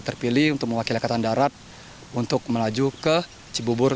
terpilih untuk mewakili angkatan darat untuk melaju ke cibubur